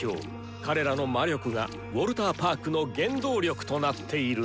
彼らの魔力がウォルターパークの原動力となっているのだ。